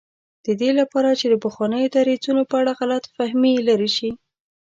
د دې لپاره چې د پخوانیو دریځونو په اړه غلط فهمي لرې شي.